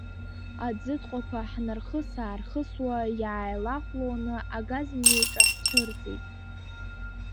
Аӡытҟәақәа ҳнархыс-аархысуа, иааилахәлоны агазмҩаҿы ҳцәырҵит.